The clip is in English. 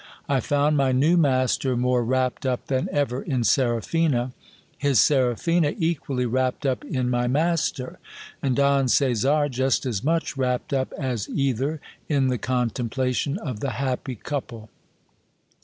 I found my new master more wrapped up than ever in Seraphina ; his Seraphina equally wrapped up in my master, and Don Caesar just as much wrapped up as either in the contempla tion of the happy couple.